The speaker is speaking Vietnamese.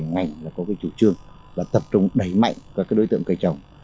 ngành có chủ trương và tập trung đẩy mạnh các đối tượng cây trồng